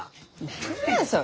何やそれ！